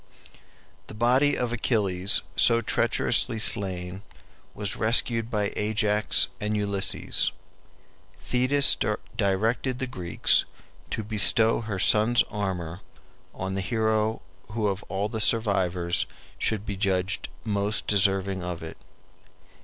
] The body of Achilles so treacherously slain was rescued by Ajax and Ulysses. Thetis directed the Greeks to bestow her son's armor on the hero who of all the survivors should be judged most deserving of it.